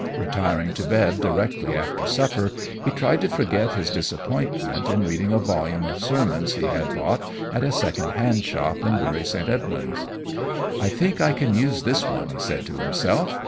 Retiring to bed directly after supper, he tried to forget his disappointment in reading a volume of sermons he had bought at a second hand shop in Bury St. Edmunds. "I think I can use this one," he said to himself.